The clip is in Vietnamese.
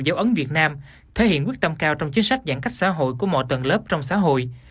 dấu ấn việt nam thể hiện quyết tâm cao trong chính sách giãn cách xã hội của mọi tầng lớp trong xã hội